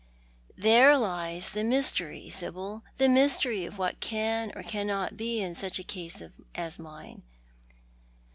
" There lies the mystery, Sibyl, the mystery of what can or cannot be in such a case as mine.